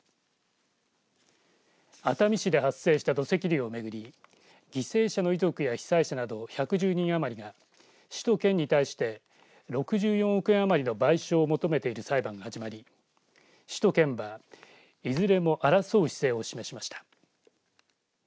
熱海市で発生した土石流を巡り犠牲者の遺族や被災者など１１０人余りが市と県に対して６０億円余りの賠償を求めている裁判が始まり市と県は、いずれも争う姿勢を示しました。